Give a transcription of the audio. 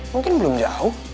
mungkin belum jauh